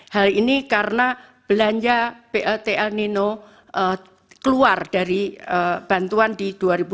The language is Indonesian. hal ini karena belanja plt el nino keluar dari bantuan di dua ribu dua puluh